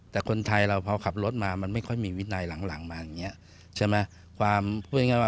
แต่คนไทยเราพอขับรถมามันไม่ค่อยมีวินัยหลังมาอย่างนี้